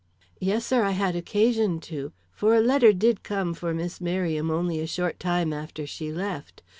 "Yes, sir, I had occasion to, for a letter did come for Miss Merriam only a short time after she left.